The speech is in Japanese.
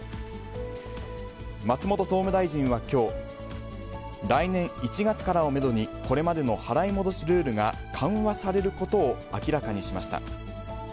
松本総務大臣はきょう、来年１月からをメドに、これまでの払い戻しルールが緩和されることを明らかにしました。